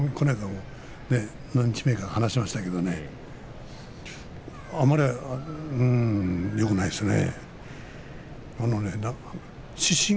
何日目かに話しましたけれどあまりよくないですね。